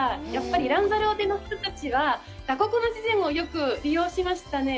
ランサローテの人たちはあの自然をよく利用しましたね。